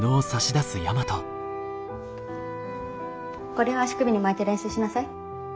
これを足首に巻いて練習しなさい。